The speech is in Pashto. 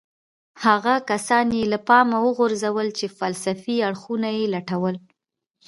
هغه کسان يې له پامه وغورځول چې فلسفي اړخونه يې لټول.